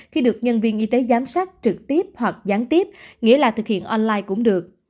khi được nhân viên y tế giám sát trực tiếp hoặc gián tiếp nghĩa là thực hiện online cũng được